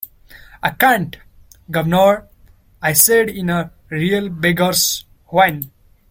“I can’t, guv’nor,” I said in a real beggar’s whine.